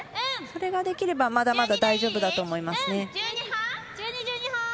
それができれば、まだまだ大丈夫だと思いますね。